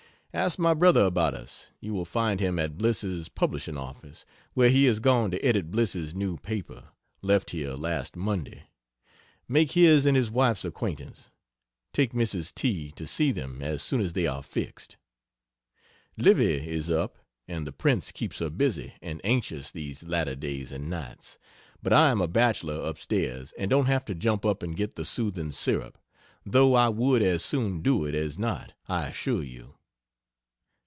Ask my brother about us you will find him at Bliss's publishing office, where he is gone to edit Bliss's new paper left here last Monday. Make his and his wife's acquaintance. Take Mrs. T. to see them as soon as they are fixed. Livy is up, and the prince keeps her busy and anxious these latter days and nights, but I am a bachelor up stairs and don't have to jump up and get the soothing syrup though I would as soon do it as not, I assure you.